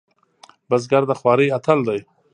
بزګر د خوارۍ اتل دی